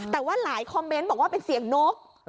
แต่ว่าหลายคอมเมนต์บอกว่าเป็นเสียงนก